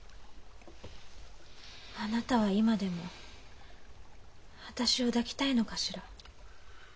あなたは今でも私を抱きたいのかしら？